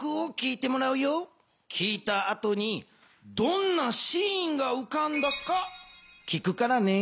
きいたあとにどんなシーンがうかんだか聞くからね。